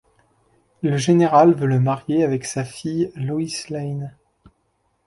Le général veut le marier avec sa fille Lois Lane.